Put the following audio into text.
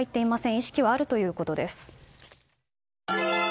意識はあるということです。